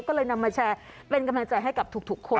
ก็เลยนำมาแชร์เป็นกำลังใจให้กับทุกคน